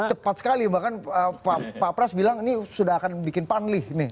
cepat sekali bahkan pak pras bilang ini sudah akan bikin panlih nih